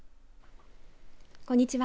こんにちは。